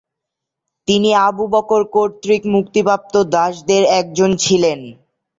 তিনি Abu Bakr কর্তৃক মুক্তিপ্রাপ্ত দাসদের একজন ছিলেন।